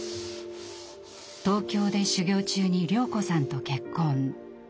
東京で修業中に綾子さんと結婚。